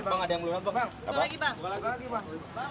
buka lagi pak